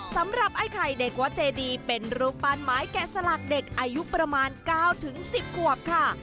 สำหรับไอ้ไข่เด็กวัดเจดีเป็นรูปปั้นไม้แกะสลักเด็กอายุประมาณ๙๑๐ขวบค่ะ